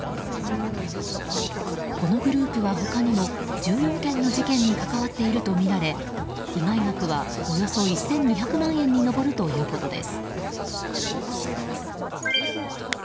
このグループは他にも１４件の事件に関わっているとみられ被害額は、およそ１２００万円に上るということです。